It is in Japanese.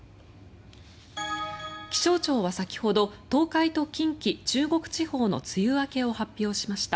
気象庁は先ほど東海と近畿、中国地方の梅雨明けを発表しました。